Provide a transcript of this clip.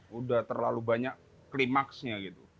sudah terlalu banyak klimaksnya gitu